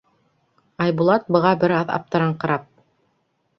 Айбулат быға бер аҙ аптыраңҡырап: